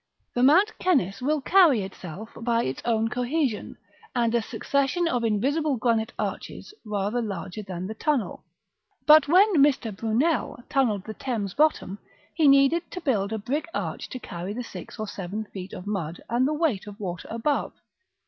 The Mont Cenis will carry itself, by its own cohesion, and a succession of invisible granite arches, rather larger than the tunnel. But when Mr. Brunel tunnelled the Thames bottom, he needed to build a brick arch to carry the six or seven feet of mud and the weight of water above.